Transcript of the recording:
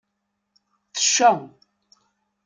Tecca.